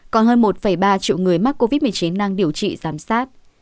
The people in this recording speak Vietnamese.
còn hơn một ba triệu người mắc covid một mươi chín đang điều trị giám sát